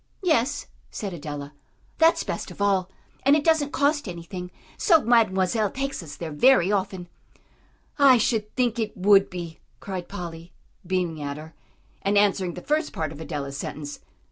"Yes," said Adela, "that's best of all, and it doesn't cost anything; so Mademoiselle takes us there very often." "I should think it would be," cried Polly, beaming at her, and answering the first part of Adela's sentence.